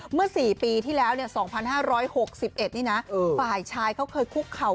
เมื่อ๔ปีที่แล้ว๒๕๖๑นี่นะฝ่ายชายเขาเคยคุกเข่า